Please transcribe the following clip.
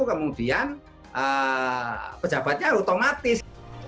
kemudian pejabatnya otomatis